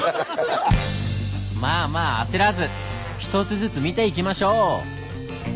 まぁまぁ焦らずひとつずつ見ていきましょう。